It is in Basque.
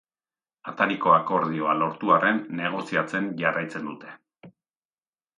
Atariko akordioa lortu arren, negoziatzen jarraitzen dute.